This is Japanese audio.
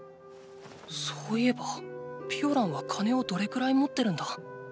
そういえばピオランは金をどれくらい持ってるんだ？